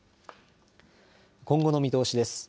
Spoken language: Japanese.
今後の見通しです。